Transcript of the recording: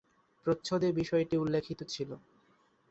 প্রচ্ছদে বিষয়টি উল্লিখিত ছিল।